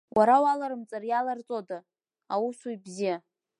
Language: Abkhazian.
Уара уаларымҵар иаларҵода, аусуҩ бзиа!